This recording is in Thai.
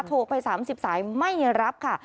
โทรไป๓๐สายไม่รับค่ะ